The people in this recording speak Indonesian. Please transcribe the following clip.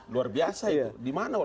luar biasa itu